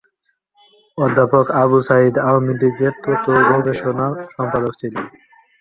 অধ্যাপক আবু সাইয়িদ আওয়ামী লীগের তথ্য ও গবেষণা সম্পাদক ছিলেন।